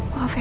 maaf ya pak